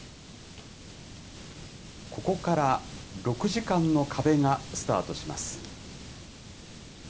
ここから６時間の壁がスタートします。